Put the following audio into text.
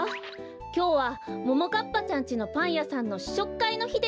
きょうはももかっぱちゃんちのパンやさんのししょくかいのひですよ。